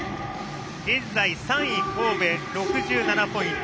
現在３位神戸、６７ポイント。